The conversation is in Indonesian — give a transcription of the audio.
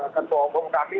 ketua umum kami